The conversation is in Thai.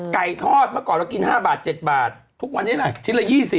ไก่ทอดเมื่อก่อนเรากิน๕บาท๗บาททุกวันนี้แหละชิ้นละ๒๐